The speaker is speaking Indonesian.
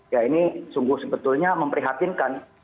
ya ini sungguh sebetulnya memprihatinkan